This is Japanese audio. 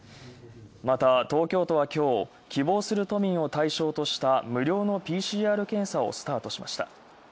また、東京都はきょう、希望する都民を対象とした無料のＰＣＲ検査をスタートしました。